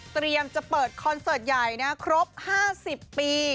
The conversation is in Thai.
เตรียมจะเปิดคอนเสิร์ตใหญ่ครบ๕๐ปี